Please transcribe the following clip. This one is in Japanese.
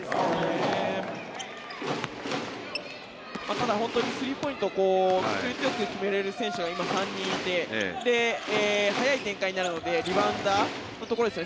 ただ、本当にスリーポイントを確率よく決められる選手が今、３人いて速い展開になるのでリバウンダーのところですよね。